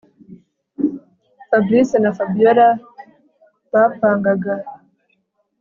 Fabric na Fabiora bapangaga